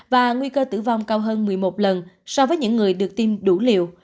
và nguy cơ tử vong cao hơn một mươi một lần so với những người được tiêm đủ liều